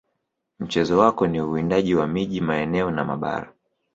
Mchezo wako ni uwindaji wa miji maeneo na mabara